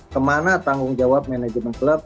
kemana tanggung jawab manajemen klub